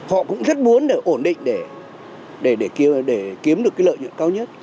họ cũng rất muốn để ổn định để kiếm được cái lợi nhuận cao nhất